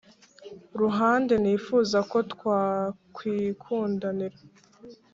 ruhande nifuza ko twakwikundanira”